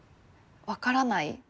分からない